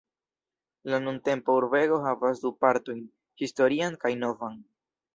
La nuntempa urbego havas du partojn: historian kaj novan.